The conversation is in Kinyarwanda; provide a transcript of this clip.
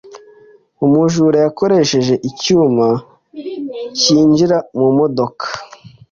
Umujura yakoresheje icyuma cyinjira mu modoka.